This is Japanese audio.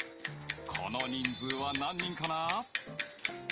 この人数は何人かな？